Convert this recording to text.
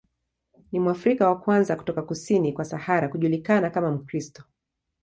Ni Mwafrika wa kwanza kutoka kusini kwa Sahara kujulikana kama Mkristo.